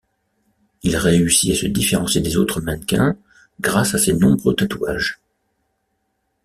Il réussit à se différencier des autres mannequins grâce à ses nombreux tatouages.